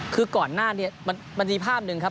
คือก่อนหน้านี้มันมีภาพหนึ่งครับ